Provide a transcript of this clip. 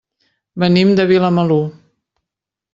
Venim de Vilamalur.